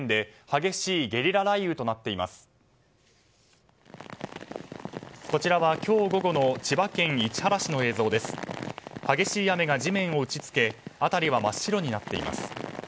激しい雨が地面を打ち付け辺りは真っ白になっています。